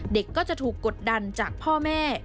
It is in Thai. เด็กก็จะถูกกดดันจากพ่อแม่